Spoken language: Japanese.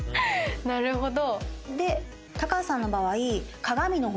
なるほど。